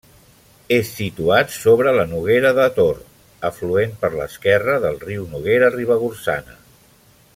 És situat sobre la Noguera de Tor, afluent per l'esquerra del riu Noguera Ribagorçana.